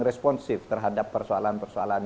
responsif terhadap persoalan persoalan